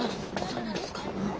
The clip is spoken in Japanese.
そうなんですか？